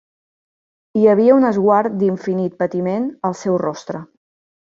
Hi havia un esguard d'infinit patiment al seu rostre.